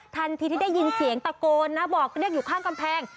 ทันทีที่ได้ยินเสียงตะโกนนะบอกเรียกอยู่ข้างกำแพง